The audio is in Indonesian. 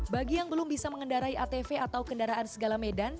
bagi yang belum bisa mengendarai atv atau kendaraan segala medan